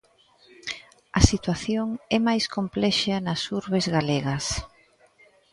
A situación é máis complexa nas urbes galegas.